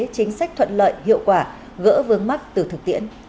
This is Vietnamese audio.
chính sách thuận lợi hiệu quả gỡ vương mắc từ thực tiễn